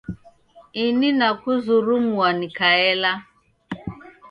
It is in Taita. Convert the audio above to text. Ini nakuzurumua nikaela.